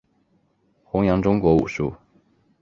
宏杨中国武术。